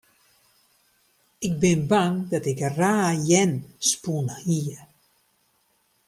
Ik bin bang dat it raar jern spûn hie.